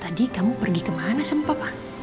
tadi kamu pergi ke mana sumpah pa